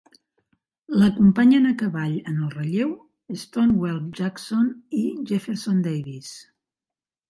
L'acompanyen a cavall en el relleu, Stonewall Jackson i Jefferson Davis.